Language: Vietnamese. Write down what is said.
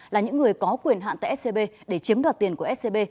là những người có quyền hạn tại scb để chiếm đoạt tiền của scb